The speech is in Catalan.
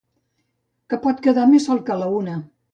Que pot quedar més sol que la una.